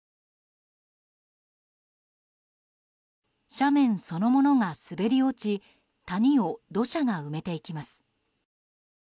斜面そのものが滑り落ち谷を土砂が埋めていきます。